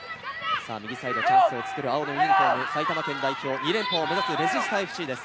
右サイド、チャンスを作る埼玉県代表に連覇を目指すレジスタＦＣです。